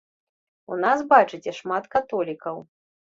У нас, бачыце, шмат католікаў.